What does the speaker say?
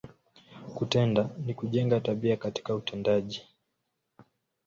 Kutenda, ni kujenga, tabia katika utendaji.